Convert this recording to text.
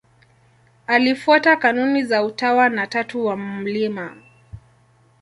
Alifuata kanuni za Utawa wa Tatu wa Mt.